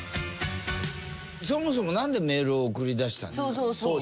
そもそもなんでメールを送りだしたんですか？